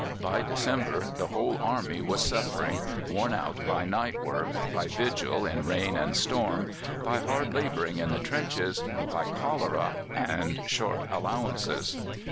By December the whole army was suffering, worn out by night work, by vigil in rain and storm, by hard labour in the trenches, by cholera and short allowances.